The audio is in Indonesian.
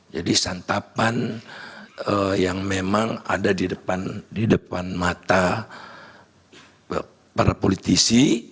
jadi santapan yang memang ada di depan mata para politisi